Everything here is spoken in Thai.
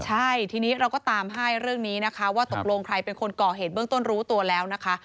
ใช่ทีนี้เราก็ตามให้เรื่องนี้นะคะว่าตกลงใครเป็นคนก่อเหตุเบื้องต้นรู้ตัวแล้วนะคะ